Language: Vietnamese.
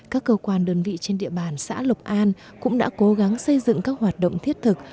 các cơ quan đơn vị trên địa bàn xã lộc an cũng đã cố gắng xây dựng các hoạt động thiết thực